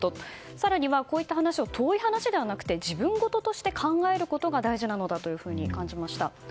更には、こうした話が遠い話ではなく自分ごととして考えることが大事なのだと感じました。